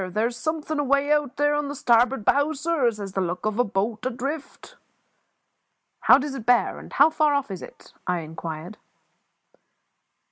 There's something away out here on the starboard bow, sir, as has the look of a boat adrift." "How does it bear, and how far off is it?" I inquired.